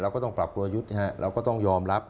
ก็ต้องปรับตัวยุทธ์เราก็ต้องยอมรับ